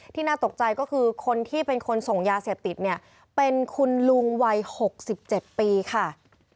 ที่น่าตกใจก็คือคนที่เป็นคนส่งยาเสียบติดเนี่ยเป็นคุณลุงวัยหกสิบเจ็ดปีค่ะ